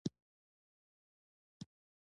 غنم به ډېر شي او شنه شفتله به خرڅه کړو.